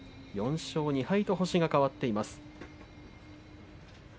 ４勝２敗と星が変わっています。